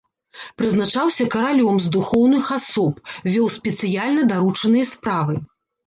Прызначаўся каралём з духоўных асоб, вёў спецыяльна даручаныя справы.